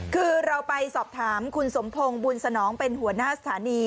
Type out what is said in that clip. คือเราไปสอบถามคุณสมพงศ์บุญสนองเป็นหัวหน้าสถานี